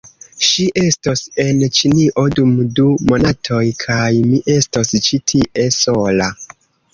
... ŝi estos en Ĉinio, dum du monatoj, kaj mi estos ĉi tie, sola.